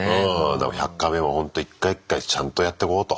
だから「１００カメ」もほんと一回一回ちゃんとやってこうと。